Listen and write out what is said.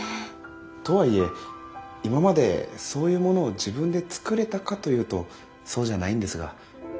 とはいえ今までそういうものを自分で作れたかというとそうじゃないんですが。